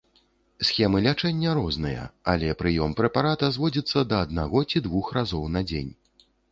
Схемы лячэння розныя, але прыём прэпарата зводзіцца да аднаго ці двух разоў на дзень.